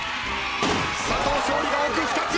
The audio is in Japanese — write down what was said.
佐藤勝利が奥２つ。